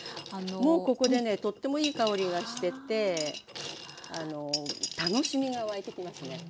もうここでねとってもいい香りがしてて楽しみが湧いてきますね。